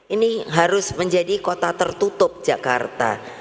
ini harus menjadi kota tertutup jakarta